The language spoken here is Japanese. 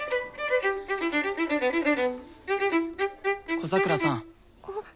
小桜さん。